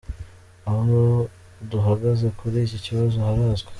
Aho duhagaze kuri iki kibazo harazwi.